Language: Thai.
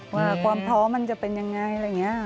ว่าความพอมันจะเป็นยังไง